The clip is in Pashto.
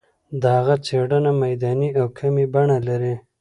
د هغه څېړنه میداني او کمي بڼه لري.